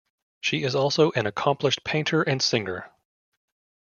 She is also an accomplished painter and singer.